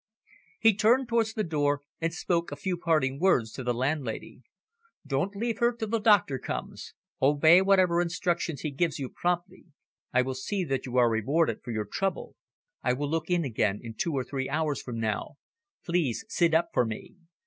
He turned towards the door, and spoke a few parting words to the landlady. "Don't leave her till the doctor comes. Obey whatever instructions he gives promptly. I will see that you are rewarded for your trouble. I will look in again, in two or three hours from now. Please sit up for me."